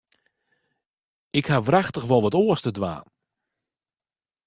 Ik haw wrachtich wol wat oars te dwaan.